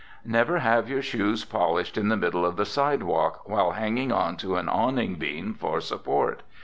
Never have your shoes polished in the middle of the sidewalk while hanging on to an awning beam for support.